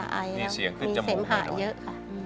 มีเสียงหาดเยอะค่ะ